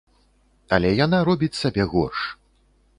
Але яна робіць сабе горш.